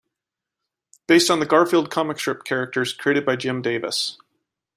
Based on the Garfield comic strip characters created by Jim Davis.